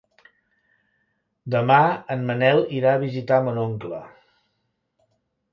Demà en Manel irà a visitar mon oncle.